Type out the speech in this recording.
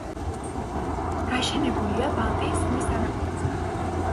გაშენებულია ბალტიის ზღვის სანაპიროზე.